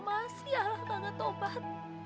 masih alah tangga tobat